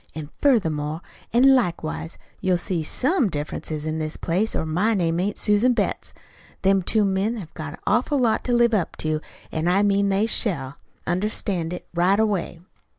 An' furthermore an' likewise you'll see SOME difference in this place, or my name ain't Susan Betts. Them two men have got an awful lot to live up to, an' I mean they shall understand it right away."